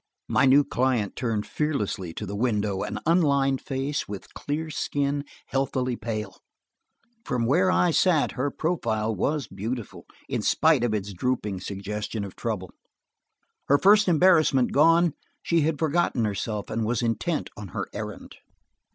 My new client turned fearlessly to the window an unlined face, with a clear skin, healthily pale. From where I sat, her profile was beautiful, in spite of its drooping suggestion of trouble; her first embarrassment gone, she had forgotten herself and was intent on her errand.